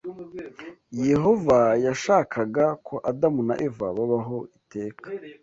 Yehova yashakaga ko Adamu na Eva babaho iteka.